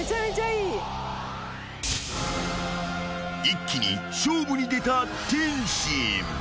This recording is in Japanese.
［一気に勝負に出た天心］